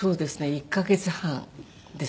１カ月半ですね。